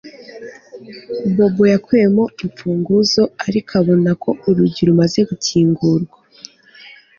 Bobo yakuyemo imfunguzo ariko abona ko urugi rumaze gukingurwa